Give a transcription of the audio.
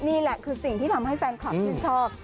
นี่แหละคือสิ่งที่ทำให้แฟนคลับชื่นชอบ